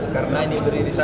karena ini beririsan